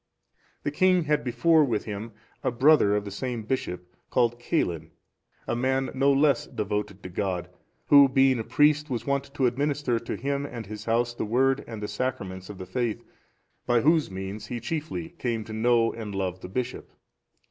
The king had before with him a brother of the same bishop, called Caelin, a man no less devoted to God, who, being a priest, was wont to administer to him and his house the Word and the Sacraments of the faith; by whose means he chiefly came to know and love the bishop.